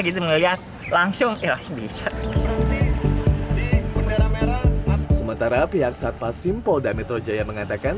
gitu ngeliat langsung ya langsung bisa sementara pihak satpas sim polda metro jaya mengatakan